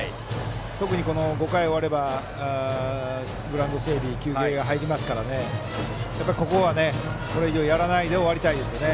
特に５回が終わればグラウンド整備で休憩が入りますからここは、これ以上やらないで終わりたいですね。